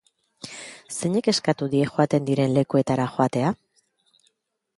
Zeinek eskatu die joaten diren lekuetara joatea?